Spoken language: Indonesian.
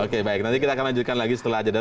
oke baik nanti kita akan lanjutkan lagi setelah jeda